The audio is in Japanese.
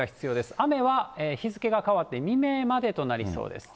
雨は日付が変わって未明までとなりそうです。